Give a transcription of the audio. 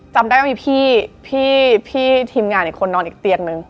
จำได้ว่ามีพี่ทีมงานอีกคนนอนอีกเตียงนึง